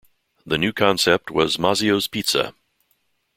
That new concept was Mazzio's Pizza.